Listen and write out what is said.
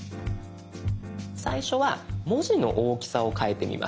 最初は文字の大きさを変えてみます。